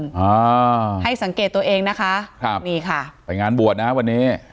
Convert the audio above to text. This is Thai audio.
อ่าให้สังเกตตัวเองนะคะครับนี่ค่ะไปงานบวชนะวันนี้